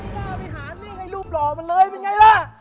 โอ้ยไม่น่าไปหานี่ไงรูปหล่อมันเลยเป็นไงล่ะ